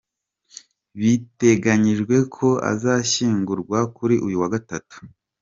Biteganyijwe ko azashyingurwa kuri uyu wa Gatatu.